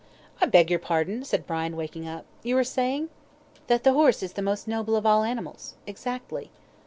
"I beg your pardon," said Brian, waking up. "You were saying " "That the horse is the most noble of all animals Exactly."